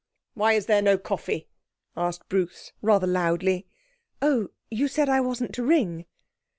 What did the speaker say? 'Why is there no coffee?' asked Bruce rather loudly. 'Oh, you said I wasn't to ring.'